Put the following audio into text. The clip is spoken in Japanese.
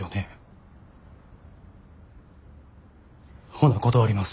ほな断ります。